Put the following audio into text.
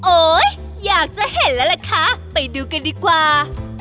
อยากจะเห็นแล้วล่ะคะไปดูกันดีกว่า